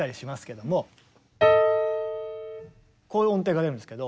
こういう音程が出るんですけど。